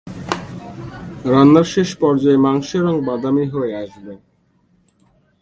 রান্নার শেষ পর্যায়ে মাংসের রং বাদামী হয়ে আসবে।